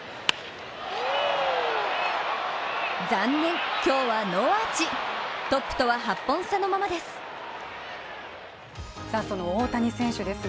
残念今日はノーアーチトップとは８本差のままです。